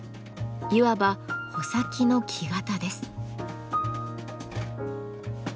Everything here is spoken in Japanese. いわば穂先の木型です。